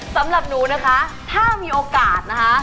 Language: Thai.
สำหรับหนูนะคะถ้ามีโอกาสนะคะ